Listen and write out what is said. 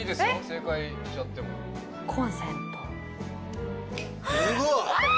正解しちゃってもあ！